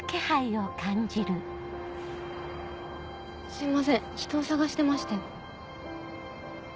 すいません人を捜してまして。